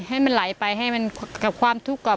ให้มันไหลไปให้มันกับความทุกข์กับ